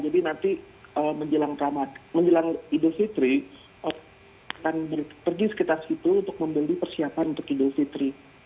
jadi nanti menjelang kamar menjelang idul fitri akan pergi sekitar situ untuk membeli persiapan untuk idul fitri